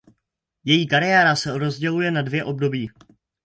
Její kariéra se rozděluje na dvě období.